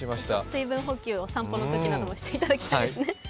水分補給を散歩のときなどにもしていただきたいですね。